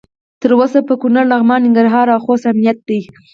تر اوسه په کنړ، لغمان، ننګرهار او خوست امنیت دی.